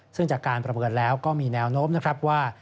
ซึ่งจากการประเมินแล้วก็มีแนวโน้มนะครับว่า